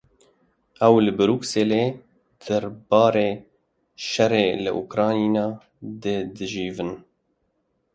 Ew li Brukselê derbarê şerê li Ukrayna de dicivin.